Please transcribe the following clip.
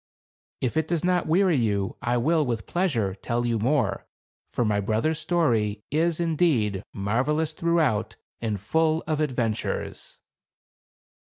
" If it does not weary you, I will, with pleasure, tell you more ; for my brother's story is, indeed, marvelous throughout, and full of adventures."